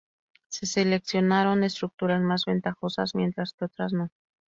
Se seleccionaron estructuras más ventajosas, mientras que otras no.